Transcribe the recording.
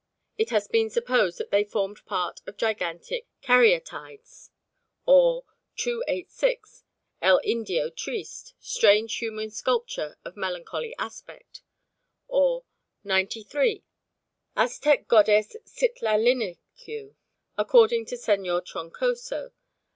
It has been supposed that they formed part of gigantic caryatides_"; or "286. El Indio Triste. Strange human sculpture of melancholy aspect"; or "93. _Aztec Goddess Citlalinicue, according to Señor Troncoso.